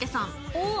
おっ！